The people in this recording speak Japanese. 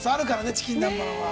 チキン南蛮は。